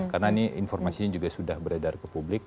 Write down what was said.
karena ini informasinya sudah beredar ke publik